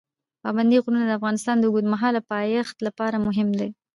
پابندي غرونه د افغانستان د اوږدمهاله پایښت لپاره مهم دي.